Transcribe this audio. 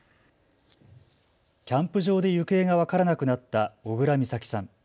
キャンプ場で行方が分からなくなった小倉美咲さん。